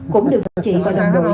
cũng được đồng chí và đồng đội